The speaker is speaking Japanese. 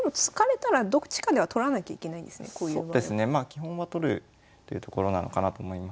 基本は取るというところなのかなと思います。